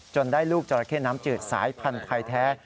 ได้ลูกจราเข้น้ำจืดสายพันธุ์ไทยแท้